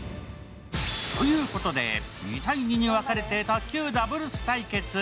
ということで２対２に分かれて卓球ダブルス対決。